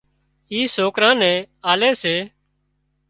اِي سوڪران نين آلي سي